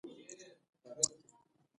د لاس په تڼاکو ګټل سوې روزي برکتي وي.